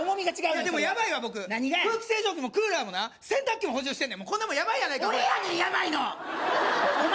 それはでもヤバいわ僕空気清浄機もクーラーもな洗濯機も補充してんねんこんなもんヤバいやないか俺やねんヤバいのお前